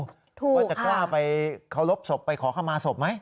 ว่าจะกล้าไปเคารพศพไปขอเข้ามาศพไหม